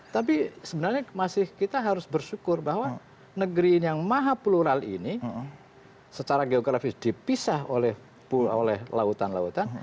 tapi sebenarnya masih kita harus bersyukur bahwa negeri ini yang maha plural ini secara geografis dipisah oleh lautan lautan